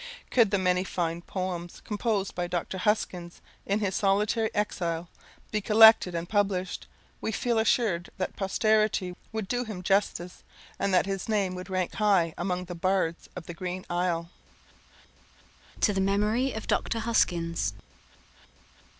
Could the many fine poems composed by Dr. Huskins in his solitary exile, be collected and published, we feel assured that posterity would do him justice, and that his name would rank high among the bards of the green isle. To The Memory of Dr. Huskins.